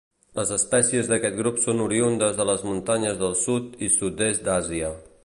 Les espècies d'aquest grup són oriündes de les muntanyes del sud i sud-est d'Àsia.